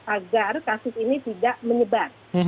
agar kasus ini tidak menyebar